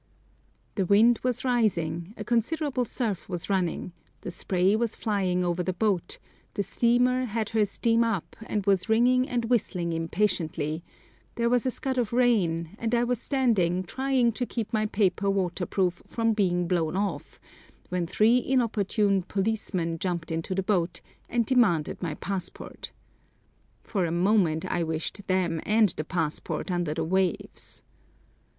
The wind was rising, a considerable surf was running, the spray was flying over the boat, the steamer had her steam up, and was ringing and whistling impatiently, there was a scud of rain, and I was standing trying to keep my paper waterproof from being blown off, when three inopportune policemen jumped into the boat and demanded my passport. For a moment I wished them and the passport under the waves!